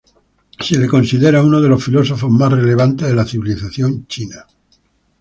Se le considera uno de los filósofos más relevantes de la civilización china.